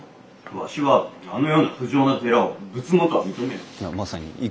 わしはあのような不浄な寺を仏門とは認めぬ。